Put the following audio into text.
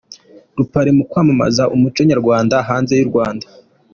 Rupari mu kwamamaza umuco nyarwanda hanze yurwanda